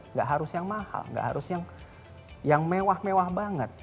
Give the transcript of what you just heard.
nggak harus yang mahal nggak harus yang mewah mewah banget